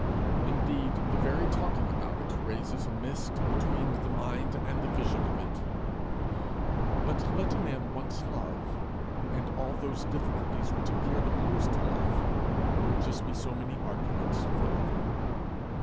Indeed, the very talking about it raises a mist between the mind and the vision of it. But let a man once love, and all those difficulties which appeared opposed to love, will just be so many arguments for loving.